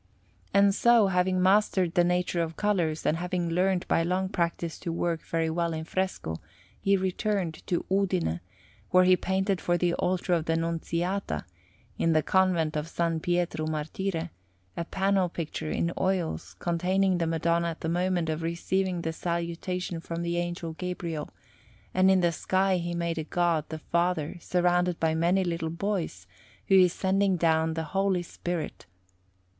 And so, having mastered the nature of colours, and having learnt by long practice to work very well in fresco, he returned to Udine, where he painted for the altar of the Nunziata, in the Convent of S. Pietro Martire, a panel picture in oils containing the Madonna at the moment of receiving the Salutation from the Angel Gabriel; and in the sky he made a God the Father surrounded by many little boys, who is sending down the Holy Spirit.